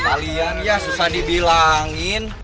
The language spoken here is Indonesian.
kalian ya susah dibilangin